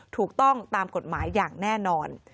ถูกต้องตามกฎหมายอย่างแน่นอน